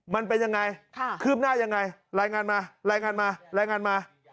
มันเป็นยังไงคืบหน้ายังไงรายงานมารายงานมารายงานมา